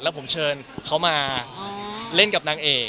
แล้วผมเชิญเขามาเล่นกับนางเอก